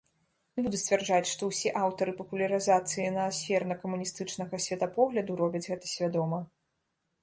Не буду сцвярджаць, што ўсе аўтары папулярызацыі наасферна-камуністычнага светапогляду робяць гэта свядома.